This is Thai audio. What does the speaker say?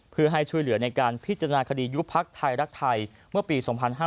เพื่อให้ช่วยเหลือในการพิจารณาคดียุบพักไทยรักไทยเมื่อปี๒๕๕๙